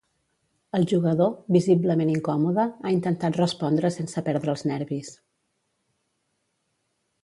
El jugador, visiblement incòmode, ha intentat respondre sense perdre els nervis.